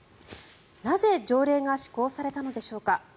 なぜ条例が施行されたのでしょうか。